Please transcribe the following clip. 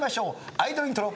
アイドルイントロ。